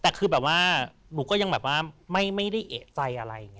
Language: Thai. แต่คือแบบว่าหนูก็ยังแบบว่าไม่ได้เอกใจอะไรอย่างนี้